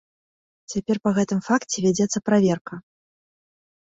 Цяпер па гэтым факце вядзецца праверка.